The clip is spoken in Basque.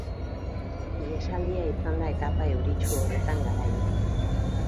Ihesaldia izan da etapa euritsu horretan garaile.